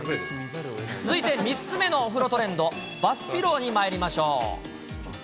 続いて３つ目のお風呂トレンド、バスピローにまいりましょう。